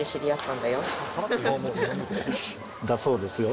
だそうですよ。